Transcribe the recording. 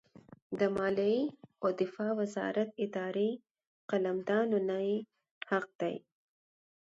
د مالیې او دفاع وزارت اداري قلمدانونه یې حق دي.